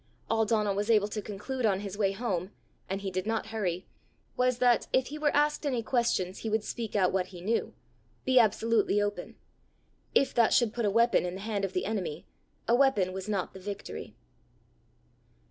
All Donal was able to conclude on his way home, and he did not hurry, was, that, if he were asked any questions, he would speak out what he knew be absolutely open. If that should put a weapon in the hand of the enemy, a weapon was not the victory.